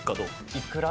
いくら。